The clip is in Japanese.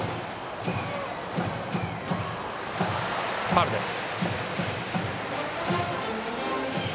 ファウルです。